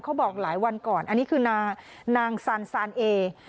เขาบอกหลายวันก่อนอันนี้คือนางซานซานเอ